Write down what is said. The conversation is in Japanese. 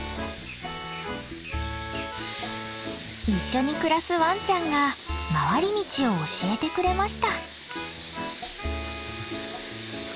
一緒に暮らすワンちゃんが回り道を教えてくれました。